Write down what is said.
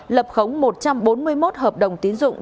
lập khống một trăm bốn mươi một hợp đồng tiến dụng